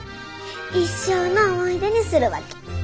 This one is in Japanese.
一生の思い出にするわけ。